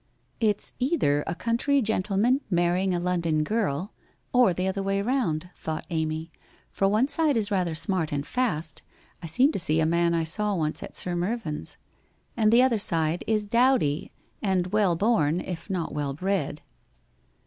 ' It's either a country gentleman marrying a London girl or the other way round ?' thought Amy, ' for one side is rather smart and fast — I seem to see a man I saw once at Sir Mervyn's — and the other side is dowdy and well born, if not well bred.'